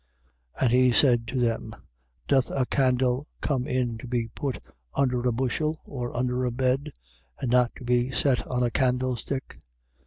4:21. And he said to them: Doth a candle come in to be put under a bushel, or under a bed? and not to be set on a candlestick?